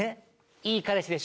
いい彼氏でしょ？